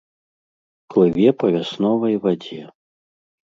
Плыве па вясновай вадзе.